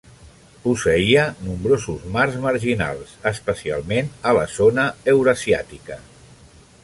Posseïa nombrosos mars marginals, especialment a la zona eurasiàtica.